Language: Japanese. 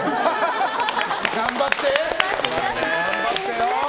頑張ってよ。